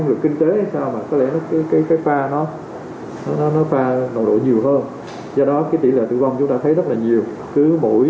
rồi kinh tế hay sao mà có lẽ cái pha nó pha nộ độ nhiều hơn do đó cái tỉ lệ tử vong chúng ta thấy rất là nhiều